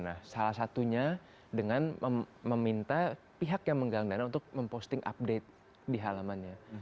nah salah satunya dengan meminta pihak yang menggalang dana untuk memposting update di halamannya